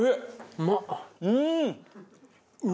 うまっ！